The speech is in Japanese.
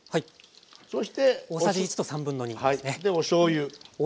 そしておしょうゆ。